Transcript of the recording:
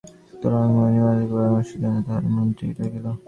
সুতরাৎ মণিমালিকা পরামর্শের জন্য তাহার মন্ত্রীকে ডাকিল।